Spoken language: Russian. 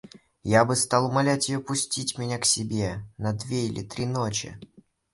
Я бы стал умолять ее пустить меня к себе на две или три ночи.